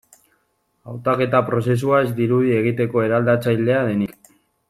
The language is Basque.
Hautaketa prozesua ez dirudi egiteko eraldatzailea denik.